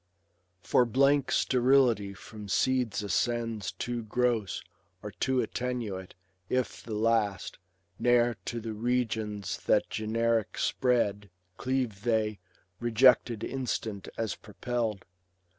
For blank sterility from seeds ascends Too gross, or too attenuate ; if the last. Ne'er to the regions that generic spread Cleave they, rejected instant as propelVd.